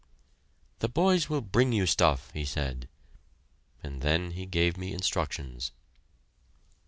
"The boys will bring you stuff," he said; and then he gave me instructions.